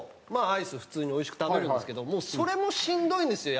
アイス普通においしく食べるんですけどそれもしんどいんですよ